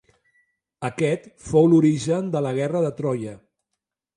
Aquest fou l'origen de la Guerra de Troia.